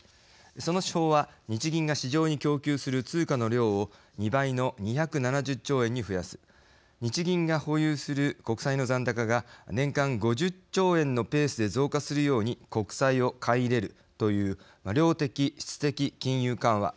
その手法は日銀が市場に供給する通貨の量を２倍の２７０兆円に増やす日銀が保有する国債の残高が年間５０兆円のペースで増加するように国債を買い入れるという量的・質的金融緩和といわれるものでした。